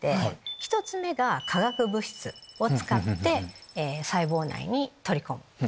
１つ目が化学物質を使って細胞内に取り込む。